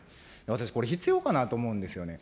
私、これ必要かなと思うんですよね。